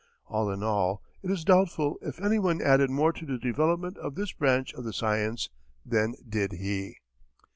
All in all, it is doubtful if anyone added more to the development of this branch of the science than did he.